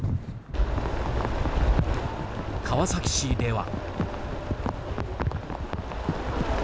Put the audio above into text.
川崎市では。